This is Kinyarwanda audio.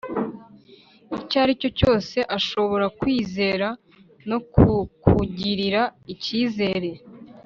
icyo ari cyo cyose ashobora kukwizera no kukugirira icyizere.